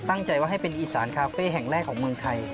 ตั้งใจว่าให้เป็นอีสานคาเฟ่แห่งแรกของเมืองไทย